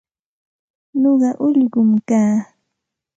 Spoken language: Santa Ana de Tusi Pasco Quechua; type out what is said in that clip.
Nuqa ullqum kaa.